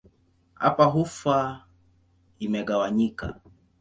Hapa ufa imegawanyika.